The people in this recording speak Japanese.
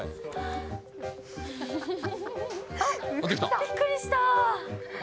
びっくりした。